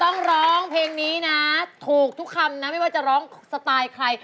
ต้องร้องเพลงนี้นะถูกทุกคำนะไม่ว่าจะร้องสไตล์ใคร